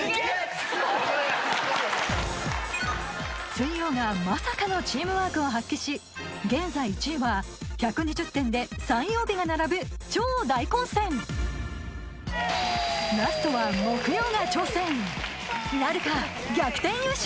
水曜がまさかのチームワークを発揮し現在１位は１２０点で３曜日が並ぶ超大混戦ラストはなるか⁉逆転優勝！